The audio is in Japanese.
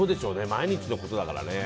毎日のことだからね。